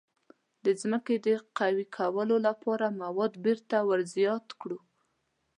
د ځمکې د قوي کولو لپاره مواد بیرته ور زیات کړو.